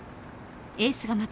エースが待つ